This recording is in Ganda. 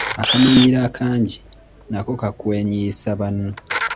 Akamanyiiro akangi nako kakwenyiyisa banno.